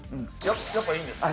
やっぱいいんですか？